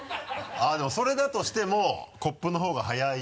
あっでもそれだとしてもコップのほうが早い。